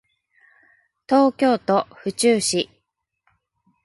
東京都府中市